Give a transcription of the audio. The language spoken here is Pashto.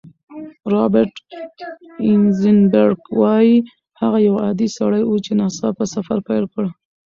رابرټ ایزنبرګ وايي، هغه یو عادي سړی و چې ناڅاپه سفر پیل کړ.